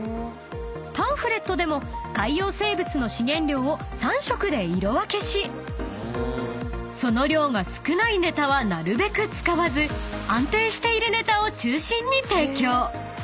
［パンフレットでも海洋生物の資源量を３色で色分けしその量が少ないねたはなるべく使わず安定しているねたを中心に提供］